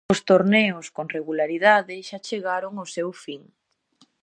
Os torneos con regularidade xa chegaron ao seu fin.